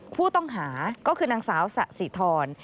ผู้ต้องหาก็คือนางสาวสะสิทร